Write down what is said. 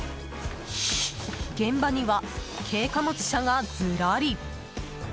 現場には軽貨物車がずらり。